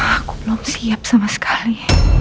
aku belum siap sama sekali